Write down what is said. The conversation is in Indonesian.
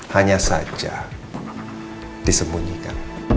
hanya saja disembunyikan